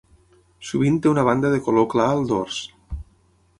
Sovint té una banda de color clar al dors.